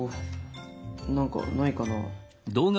何かないかな？